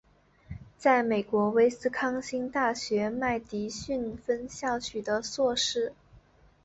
在美国威斯康辛大学麦迪逊分校取得硕士。